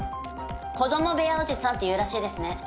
子ども部屋おじさんっていうらしいですね。